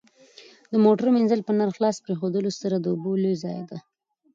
د موټر مینځل په نل خلاص پرېښودلو سره د اوبو لوی ضایع ده.